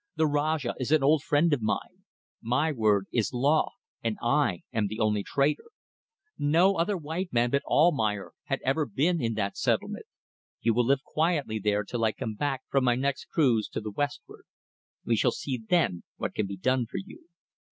The rajah is an old friend of mine. My word is law and I am the only trader. No other white man but Almayer had ever been in that settlement. You will live quietly there till I come back from my next cruise to the westward. We shall see then what can be done for you.